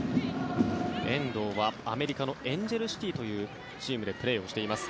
遠藤はアメリカのエンジェル・シティーというチームでプレーをしています。